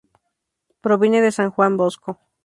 Proviene de San Juan Bosco.